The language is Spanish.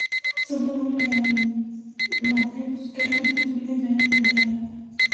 Son árboles longevos, que alcanzan los miles de años de antigüedad.